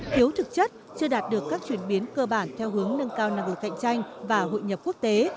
thiếu thực chất chưa đạt được các chuyển biến cơ bản theo hướng nâng cao năng lực cạnh tranh và hội nhập quốc tế